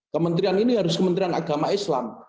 kementerian ini harus kementerian agama islam